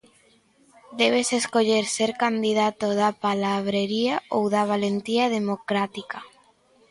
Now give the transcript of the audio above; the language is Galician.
Debes escoller ser candidato da palabrería ou da valentía democrática.